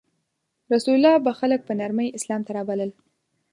رسول الله به خلک په نرمۍ اسلام ته رابلل.